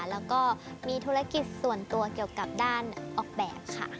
แล้วก็มีธุรกิจส่วนตัวเกี่ยวกับด้านออกแบบค่ะ